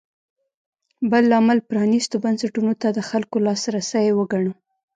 بل لامل پرانېستو بنسټونو ته د خلکو لاسرسی وګڼو.